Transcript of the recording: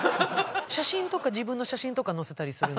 写真とか自分の写真とか載せたりするんですか？